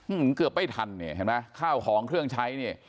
เกือบไม่ทันเนี่ยเห็นไหมข้าวของเครื่องใช้เนี่ย